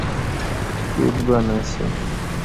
پوت بند اسی